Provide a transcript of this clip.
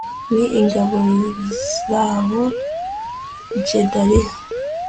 n ingabo zabo Gedaliya